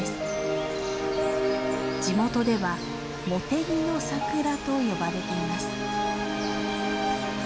地元では「茂手木のサクラ」と呼ばれています。